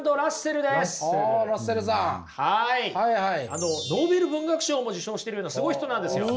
あのノーベル文学賞も受賞してるようなすごい人なんですよ。